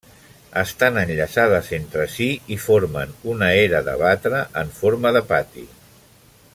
Estan enllaçades entre si i formen una era de batre en forma de pati.